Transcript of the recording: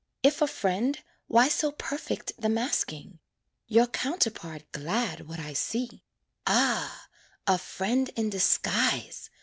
If a friend, why so perfect the masking? Your counterpart glad would I see. Ah, a friend in disguise!